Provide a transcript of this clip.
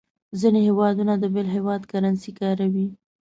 ځینې هېوادونه د بل هېواد کرنسي کاروي.